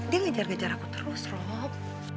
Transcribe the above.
dia ngejar ngejar aku terus rok